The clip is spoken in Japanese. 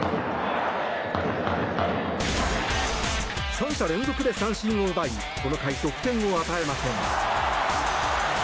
３者連続で三振を奪いこの回、得点を与えません。